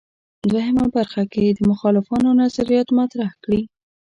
دوهمه برخه کې د مخالفانو نظریات مطرح کړي.